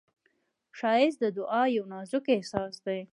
ښایست د دعا یو نازک احساس دی